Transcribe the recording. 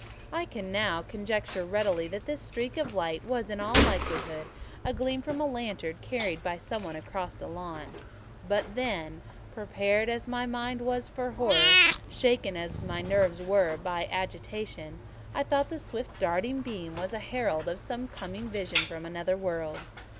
I can now conjecture readily that this streak of light was, in all likelihood, a gleam from a lantern carried by some one across the lawn: but then, prepared as my mind was for horror, shaken as my nerves were by agitation, I thought the swift darting beam was a herald of some coming vision from another world.